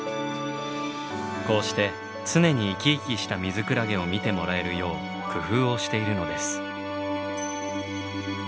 こうして常に生き生きしたミズクラゲを見てもらえるよう工夫をしているのです。